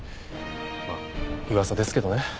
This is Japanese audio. まあ噂ですけどね。